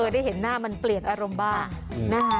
ได้เห็นหน้ามันเปลี่ยนอารมณ์บ้างนะคะ